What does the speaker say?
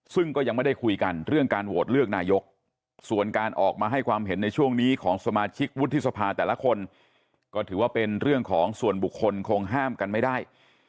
ซึ่งก็ยังไม่ได้คุยกันเรื่องการโหวตเลือกนายกส่วนการออกมาให้ความเห็นในช่วงนี้ของสมาชิกวุฒิสภาแต่ละคนก็ถือว่าเป็นเรื่องของส่วนบุคคลคงห้ามกันไม่ได้